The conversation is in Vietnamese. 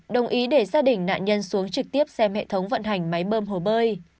đồng ý để gia đình nạn nhân xuống trực tiếp xem hệ thống vận hành máy bơm hồ bơi